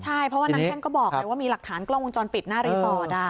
ใช่เพราะว่านางแข้งก็บอกไงว่ามีหลักฐานกล้องวงจรปิดหน้ารีสอร์ท